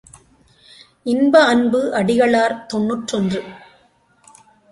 இன்ப அன்பு அடிகளார் தொன்னூற்றொன்று.